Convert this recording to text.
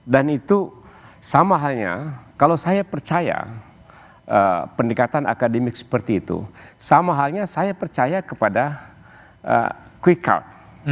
dan itu sama halnya kalau saya percaya pendekatan akademik seperti itu sama halnya saya percaya kepada quickcount